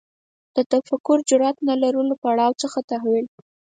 د تفکر جرئت نه لرلو پړاو څخه تحول